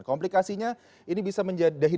komplikasinya ini bisa menjadi